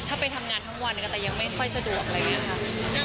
ถ้าไปทำงานทั้งวันก็แต่ยังไม่ค่อยสะดวกอะไรอย่างนี้ค่ะ